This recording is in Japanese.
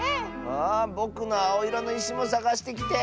あぼくのあおいろのいしもさがしてきて。